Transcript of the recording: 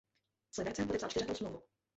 S Libercem podepsal čtyřletou smlouvu.